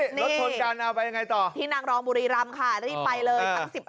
รถทวงนหรือัพยาบายง่ายเนะต่อที่นางรองบุรีรัมค่ะที่ไปเลย